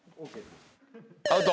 アウト。